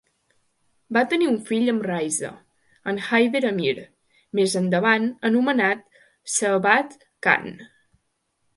Va tenir un fill amb Raisa, en Haider Amir, més endavant anomenat Shahbaz Khan,